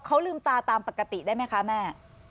เขาลืมตาตามปกติได้ไหมคะแม่